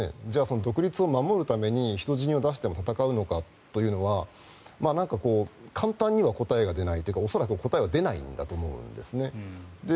じゃあ独立を守るために人死にを出しても戦うのかというのは簡単には答えが出ないというか恐らく答えは出ないと思うんですね。